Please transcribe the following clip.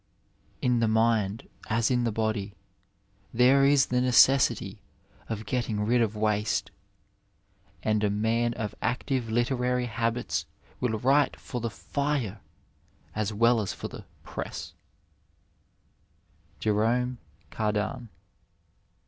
In the mind, as in the body, there is the necessity of getting rid of waste, and a man of active literary habits will write for the /Ere as weU as for the prua, JsBOMX Cabdan.